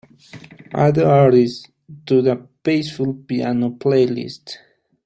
Add the artist to the peaceful piano playlist.